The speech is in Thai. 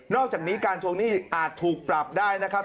อกจากนี้การทวงหนี้อาจถูกปรับได้นะครับ